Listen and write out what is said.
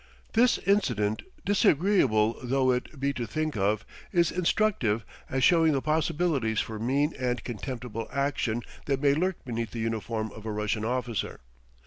This incident, disagreeable though it be to think of, is instructive as showing the possibilities for mean and contemptible action that may lurk beneath the uniform of a Russian officer.